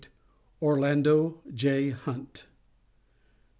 ORLANDO J. HUNT.